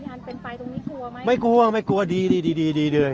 อันเป็นไปตรงนี้กลัวไหมไม่กลัวไม่กลัวดีนี่ดีดีเลย